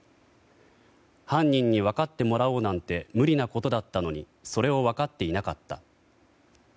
犯人に分かってもらおうなんて無理なことだったのにそれを分かっていなかった。